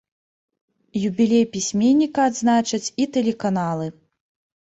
Юбілей пісьменніка адзначаць і тэлеканалы.